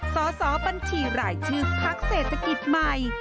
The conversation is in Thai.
สสบัญชีรายชื่อพักเศรษฐกิจใหม่